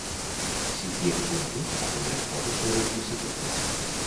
Si t'hi apuntes, aprendràs coses sobre les bicicletes.